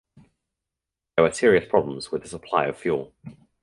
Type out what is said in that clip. There were serious problems with the supply of fuel.